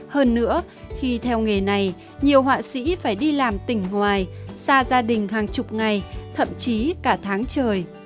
hơn nữa khi theo nghề này nhiều họa sĩ phải đi làm tỉnh ngoài xa gia đình hàng chục ngày thậm chí cả tháng trời